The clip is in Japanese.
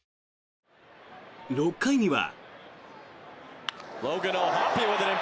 ６回には。